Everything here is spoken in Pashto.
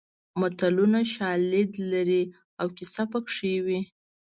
متلونه شالید لري او کیسه پکې وي